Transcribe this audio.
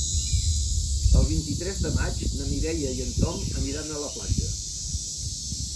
El vint-i-tres de maig na Mireia i en Tom aniran a la platja.